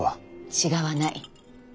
違わない。